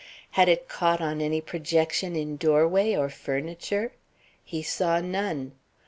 Had it caught on any projection in doorway or furniture? He saw none.